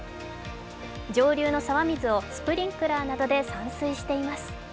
上流の沢水をスプリンクラーなどで散水しています。